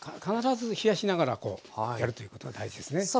必ず冷やしながらやるということが大事ですね。